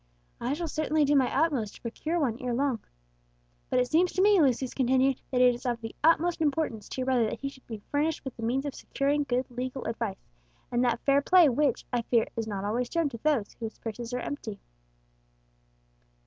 I shall certainly do my utmost to procure one ere long. But it seems to me," Lucius continued, "that it is of the utmost importance to your brother that he should be furnished with the means of securing good legal advice, and that fair play which, I fear, is not always shown to those whose purses are empty."